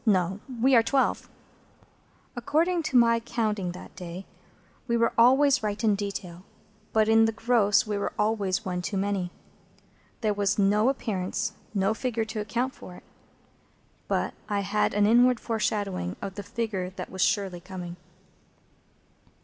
No. We are twelve." According to my counting that day, we were always right in detail, but in the gross we were always one too many. There was no appearance—no figure—to account for it; but I had now an inward foreshadowing of the figure that was surely coming.